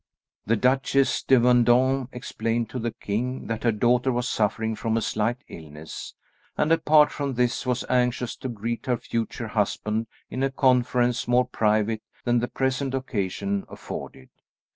The Duchesse de Vendôme explained to the king that her daughter was suffering from a slight illness, and apart from this was anxious to greet her future husband in a conference more private than the present occasion afforded.